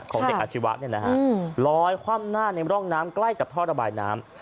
ของเด็กอาชีวะลอยคว่ำหน้าในร่องน้ำใกล้กับท่อระบายน้ำ